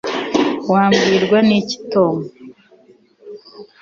wabwirwa n'iki tom